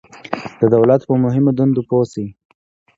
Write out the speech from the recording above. د دولت په مهمو دندو پوه شئ.